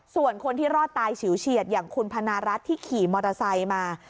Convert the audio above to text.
ส่วนคนที่รอดตายฉิวเฉียดอย่างคุณพนารัฐที่ขี่มอเตอร์ไซค์มา